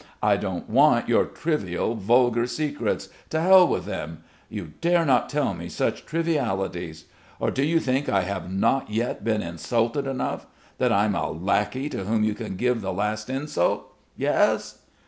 "I don't want your trivial vulgar secrets to Hell with them. You dare not tell me such trivialities. Or do you think I have not yet been insulted enough! That I'm a lackey to whom you can give the last insult? Yes?"